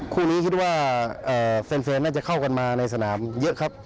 คู่นี้คิดว่าแฟนน่าจะเข้ากันมาในสนามเยอะครับ